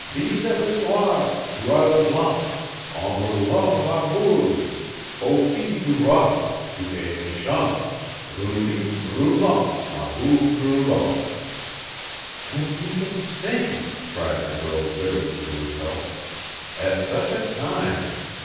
"Visa le noir, tua le blanc, En roulant ma boule, O fils du roi, tu es mêchant! Rouli roulant, ma boule roulant." "And he can sing!" cried the girl bitterly to herself. "At such a time!